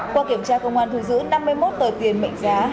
qua kiểm tra công an thu giữ năm mươi một tờ tiền mệnh giá